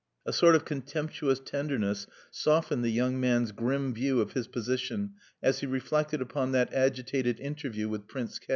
A sort of contemptuous tenderness softened the young man's grim view of his position as he reflected upon that agitated interview with Prince K